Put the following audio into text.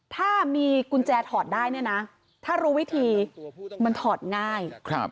ถ้ามีกุญแจถอดได้เนี่ยนะถ้ารู้วิธีมันถอดง่าย